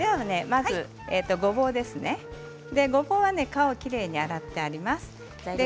ごぼうはきれいに洗ってあります。